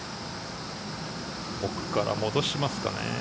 奥から戻しますかね。